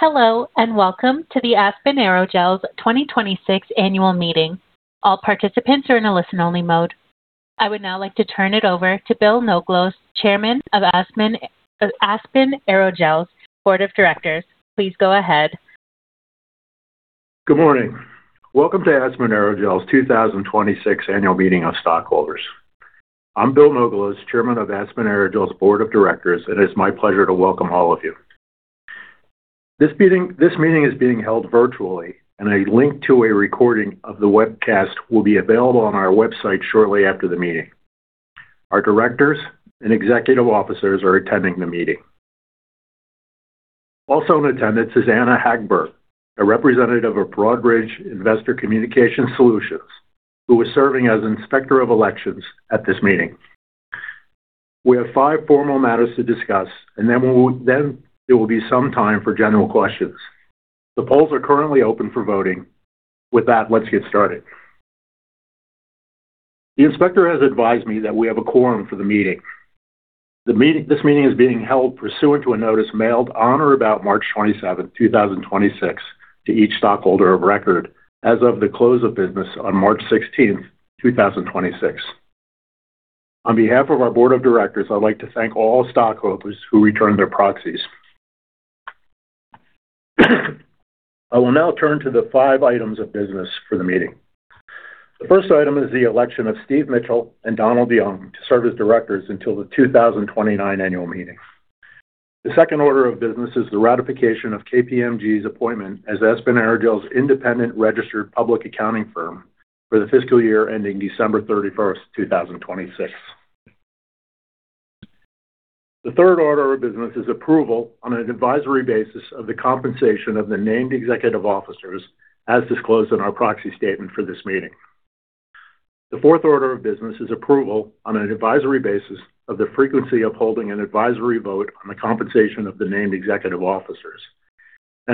Hello. Welcome to the Aspen Aerogels 2026 annual meeting. All participants are in a listen-only mode. I would now like to turn it over to Bill Noglows, Chairman of Aspen Aerogels' Board of Directors. Please go ahead. Good morning. Welcome to Aspen Aerogels 2026 annual meeting of stockholders. I'm Bill Noglows, Chairman of Aspen Aerogels board of directors, and it's my pleasure to welcome all of you. This meeting is being held virtually. A link to a recording of the webcast will be available on our website shortly after the meeting. Our directors and executive officers are attending the meeting. Also in attendance is Anna Hagberg, a representative of Broadridge Investor Communication Solutions, who is serving as Inspector of Elections at this meeting. We have five formal matters to discuss. Then there will be some time for general questions. The polls are currently open for voting. With that, let's get started. The inspector has advised me that we have a quorum for the meeting. This meeting is being held pursuant to a notice mailed on or about March 27th, 2026, to each stockholder of record as of the close of business on March 16th, 2026. On behalf of our Board of Directors, I'd like to thank all stockholders who returned their proxies. I will now turn to the five items of business for the meeting. The first item is the election of Steven Mitchell and Donald Young to serve as directors until the 2029 annual meeting. The second order of business is the ratification of KPMG's appointment as Aspen Aerogels' independent registered public accounting firm for the fiscal year ending December 31st, 2026. The third order of business is approval on an advisory basis of the compensation of the named executive officers as disclosed in our proxy statement for this meeting. The fourth order of business is approval on an advisory basis of the frequency of holding an advisory vote on the compensation of the named executive officers.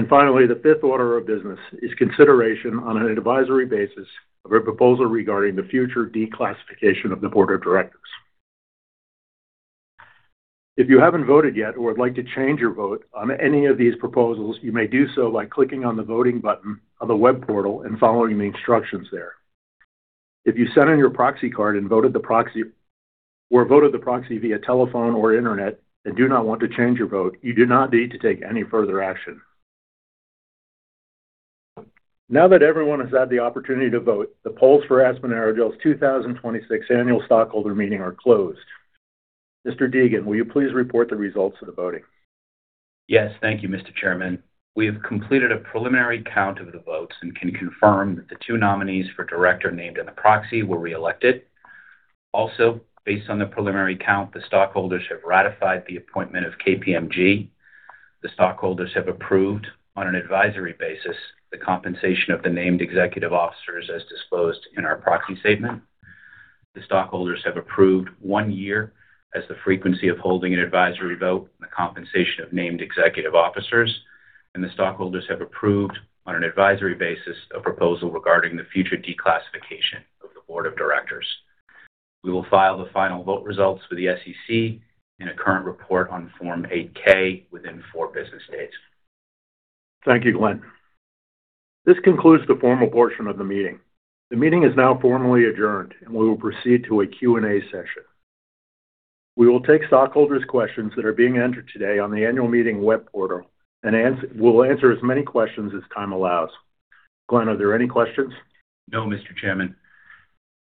Finally, the fifth order of business is consideration on an advisory basis of a proposal regarding the future declassification of the board of directors. If you haven't voted yet or would like to change your vote on any of these proposals, you may do so by clicking on the voting button of the web portal and following the instructions there. If you sent in your proxy card and voted the proxy, or voted the proxy via telephone or internet and do not want to change your vote, you do not need to take any further action. Now that everyone has had the opportunity to vote, the polls for Aspen Aerogels 2026 annual stockholder meeting are closed. Mr. Deegan, will you please report the results of the voting? Yes. Thank you, Mr. Chairman. We have completed a preliminary count of the votes and can confirm that the two nominees for director named in the proxy were reelected. Also, based on the preliminary count, the stockholders have ratified the appointment of KPMG. The stockholders have approved on an advisory basis the compensation of the named executive officers as disclosed in our proxy statement. The stockholders have approved one year as the frequency of holding an advisory vote on the compensation of named executive officers. The stockholders have approved on an advisory basis a proposal regarding the future declassification of the board of directors. We will file the final vote results with the SEC in a current report on Form 8-K within four business days. Thank you, Glenn. This concludes the formal portion of the meeting. The meeting is now formally adjourned. We will proceed to a Q&A session. We will take stockholders' questions that are being entered today on the annual meeting web portal and we'll answer as many questions as time allows. Glenn, are there any questions? No, Mr. Chairman.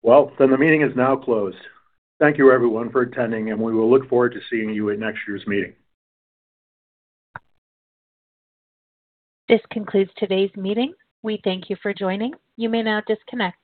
The meeting is now closed. Thank you everyone for attending. We will look forward to seeing you at next year's meeting. This concludes today's meeting. We thank you for joining. You may now disconnect.